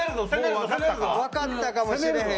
分かったかもしれへんけど。